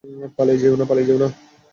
পালিয়ে যেও না।